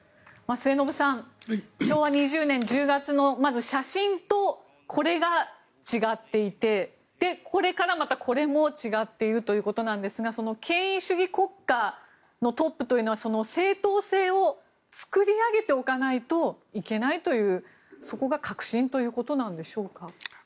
末延さん昭和２０年１０月のまず写真とこれが違っていてこれから、またこれも違っているということですがその権威主義国家のトップというのは正統性を作り上げておかないといけないというそこが核心ということなんでしょうか？